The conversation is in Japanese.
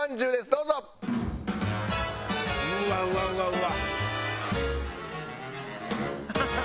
うわうわうわうわ！